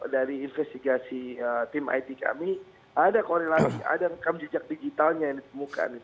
dari investigasi tim it kami ada korelasi ada rekam jejak digitalnya yang ditemukan